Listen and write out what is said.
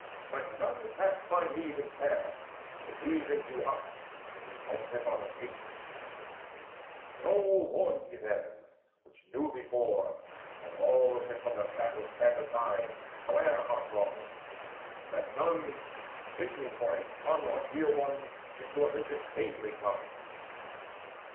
Let none clasp my knees in prayer, Since even to us relentless are the fates." So warned he them, which knew before, that all Should from the battle stand aside, howe'er Heart wrung; that none, petitioning for a son Or dear one, should to Olympus vainly come.